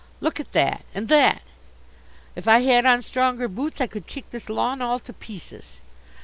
Look at that, and that! If I had on stronger boots I could kick this lawn all to pieces."